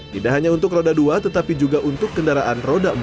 tidak hanya untuk roda dua tetapi juga untuk kendaraan roda empat